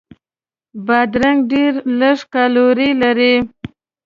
بادرنګ ډېر لږ کالوري لري.